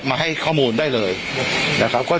มันแบบนะครับ